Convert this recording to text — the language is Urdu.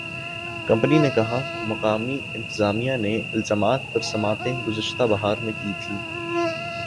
کمپنی نے کہا مقامی انتظامیہ نے الزامات پر سماعتیں گذشتہ بہار میں کی تھیں